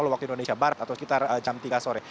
waktu indonesia barat atau sekitar jam tiga sore